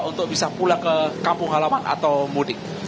untuk bisa pulang ke kampung halaman atau mudik